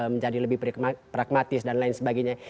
menjadi lebih pragmatis dan lain sebagainya